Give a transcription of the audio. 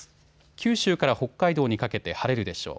九州から北海道にかけて晴れるでしょう。